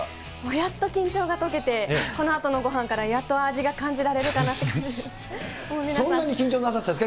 やっと緊張が解けて、このあとのごはんから、やっと味が感じられるかなって感じです。